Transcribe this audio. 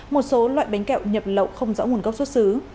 một số loại bánh kẹo nhập lậu không rõ nguồn gốc xuất xứ